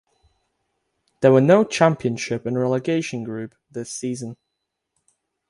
There were no Championship and Relegation group this season.